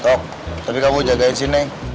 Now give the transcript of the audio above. tok tapi kamu jagain sini